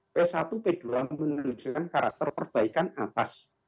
p satu p dua menunjukkan karakter perbaikan atas